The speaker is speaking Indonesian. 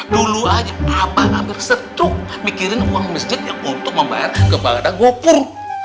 dulu aja abah hampir setuk mikirin uang mesjidnya untuk membayar kepada gopur